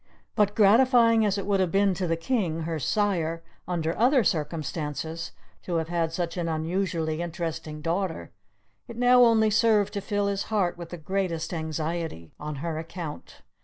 But gratifying as it would have been to the King, her sire, under other circumstances, to have had such an unusually interesting daughter, it now only served to fill his heart with the greatest anxiety on her account.